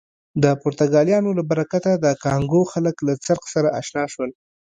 د پرتګالیانو له برکته د کانګو خلک له څرخ سره اشنا شول.